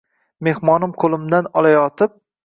Mehmonim qoʻlimdan olaëtib: